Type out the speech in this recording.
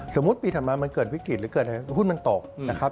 ปีถัดมามันเกิดวิกฤตหรือเกิดหุ้นมันตกนะครับ